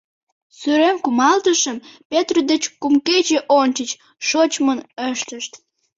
Сӱрем кумалтышым петро деч кум кече ончыч, шочмын, ыштышт.